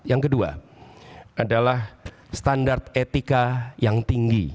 yang kedua adalah standar etika yang tinggi